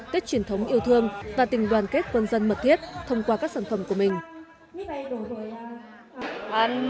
tết truyền thống yêu thương và tình đoàn kết quân dân mật thiết thông qua các sản phẩm của mình